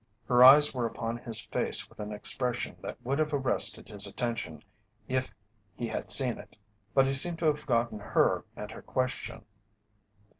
Her eyes were upon his face with an expression that would have arrested his attention if he had seen it, but he seemed to have forgotten her and her question.